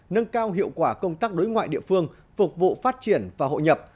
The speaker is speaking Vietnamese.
nâng cao hiệu quả công tác đối ngoại địa phương phục vụ phát triển và hội nhập